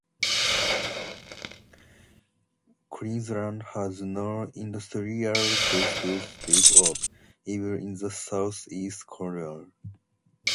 Queensland had no industrial base to speak of, even in the south east corner.